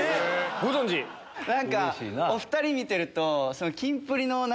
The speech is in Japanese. ご存じ⁉お２人見てると。